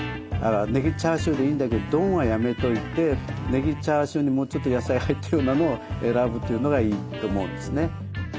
ねぎチャーシューでいいんだけど丼はやめといてねぎチャーシューにもうちょっと野菜入ってるようなのを選ぶというのがいいと思うんですね。